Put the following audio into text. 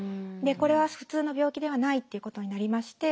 これは普通の病気ではないっていうことになりまして